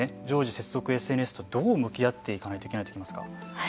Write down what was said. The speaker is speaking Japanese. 常時接続ＳＮＳとどう向き合っていかないといけないと思いますか。